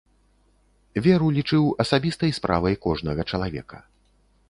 Веру лічыў асабістай справай кожнага чалавека.